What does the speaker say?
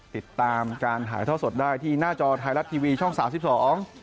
ติดตามการถ่ายท่อสดได้ที่หน้าจอไทยรัฐทีวีช่องสามสิบสอง